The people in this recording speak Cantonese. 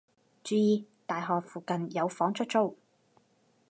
注意！大學附近有房出租